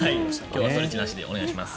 今日はストレッチなしでお願いします。